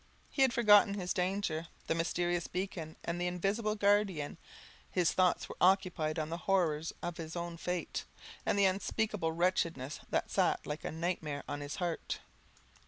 He had forgotten his danger, the mysterious beacon, and its invisible guardian: his thoughts were occupied on the horrors of his own fate, and the unspeakable wretchedness that sat like a night mare on his heart.